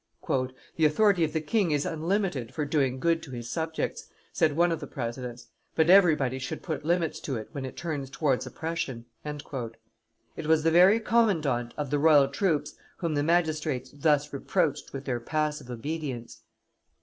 "The authority of the king is unlimited for doing good to his subjects," said one of the presidents, "but everybody should put limits to it when it turns towards oppression." It was the very commandant of the royal troops whom the magistrates thus reproached with their passive obedience.